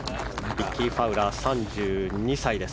リッキー・ファウラー３２歳です。